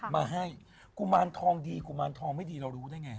มาให้กุมารทองดีกุมารทองไม่ดีเรารู้ได้ไง